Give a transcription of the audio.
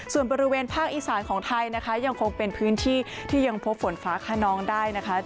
ส่วนบริเวณภาคอีสานของไทยนะคะยังคงเป็นพื้นที่ที่ยังพบฝนฟ้าขนองได้นะคะ